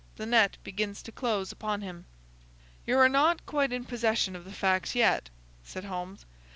The net begins to close upon him." "You are not quite in possession of the facts yet," said Holmes.